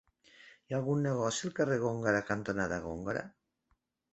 Hi ha algun negoci al carrer Góngora cantonada Góngora?